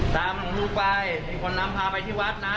ตามหลุงไปให้คนนำพาไปที่วัดนะ